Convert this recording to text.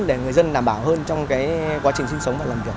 để người dân đảm bảo hơn trong quá trình sinh sống và làm việc